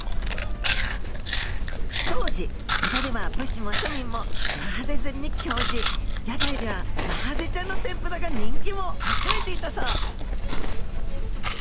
当時江戸では武士も庶民もマハゼ釣りに興じ屋台ではマハゼちゃんの天ぷらが人気を集めていたそう。